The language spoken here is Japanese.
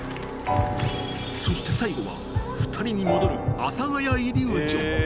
そして最後は２人に戻る阿佐ヶ谷イリュージョン。